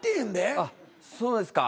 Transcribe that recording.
あっそうですか。